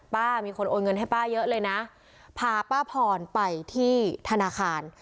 ป้ามีคนโอนเงินให้ป้าเยอะเลยนะพาป้าพรไปที่ธนาคาร